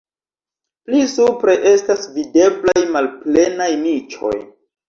Pli supre estas videblaj malplenaj niĉoj.